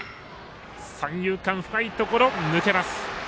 三遊間、深いところ抜けます。